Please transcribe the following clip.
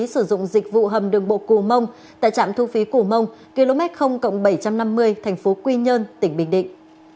sử dụng dịch vụ hầm đường bộ cù mông tại trạm thu phí cù mông km bảy trăm năm mươi tp quy nhơn tỉnh bình định